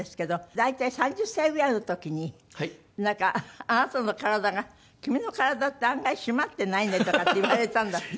大体３０歳ぐらいの時になんかあなたの体が「君の体って案外締まってないね」とかって言われたんだって？